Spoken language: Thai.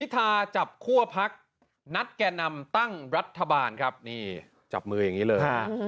จับคั่วพักนัดแก่นำตั้งรัฐบาลครับนี่จับมืออย่างนี้เลย